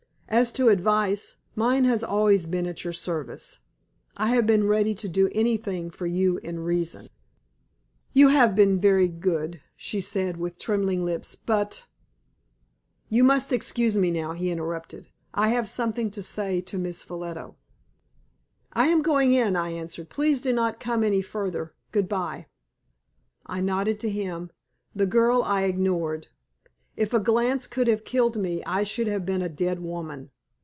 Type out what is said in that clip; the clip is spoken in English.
As to advice, mine has always been at your service. I have been ready to do anything for you in reason." "You have been very good," she said, with trembling lips, "but " "You must excuse me now," he interrupted, "I have something to say to Miss Ffolliot." "I am going in," I answered. "Please do not come any further. Goodbye." I nodded to him, the girl I ignored. If a glance could have killed me, I should have been a dead woman.